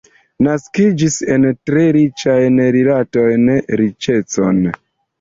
Naskiĝis en tre riĉajn rilatojn, riĉecon.